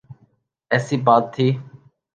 ایسی بات تھی۔